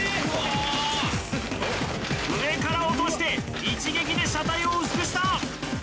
上から落として一撃で車体を薄くした！